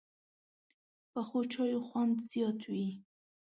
پخو چایو خوند زیات وي